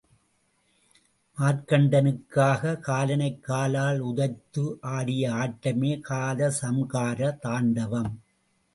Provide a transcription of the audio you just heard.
மார்க்கண்டனுக்காக, காலனைக் காலால் உதைத்து ஆடிய ஆட்டமே கால சம்ஹார தாண்டவம்.